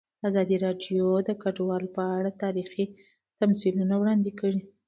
ازادي راډیو د کډوال په اړه تاریخي تمثیلونه وړاندې کړي.